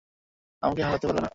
আমাকে হারাতে পারবে না!